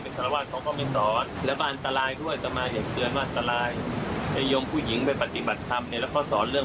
เป็นสำนักสงก็เถอะนะค่ะอย่างที่ท่านว่าเลยคือมันทำให้ความเข้าใจคาดเพื่อน